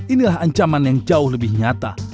inilah ancaman yang jauh lebih nyata